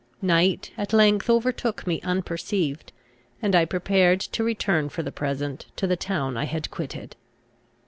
Night at length overtook me unperceived, and I prepared to return for the present to the town I had quitted.